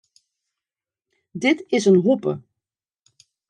Dit is in hoppe.